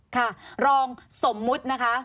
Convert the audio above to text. ค่ะรองสมมุตินะคะ